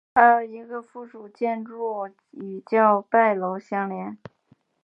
还有一个附属建筑与叫拜楼相连。